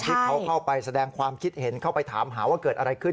ที่เขาเข้าไปแสดงความคิดเห็นเข้าไปถามหาว่าเกิดอะไรขึ้น